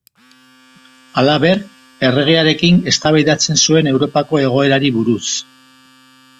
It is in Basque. Halaber, Erregearekin eztabaidatzen zuen Europako egoerari buruz.